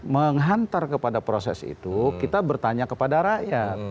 menghantar kepada proses itu kita bertanya kepada rakyat